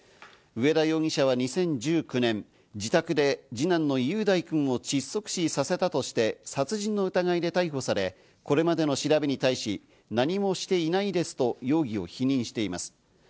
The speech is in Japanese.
上田容疑者は２０１９年、自宅で二男の雄大くんを窒息死させたとして殺人の疑いで逮捕され、これまでの調べに対し、何もしていないですと容疑を否認しています。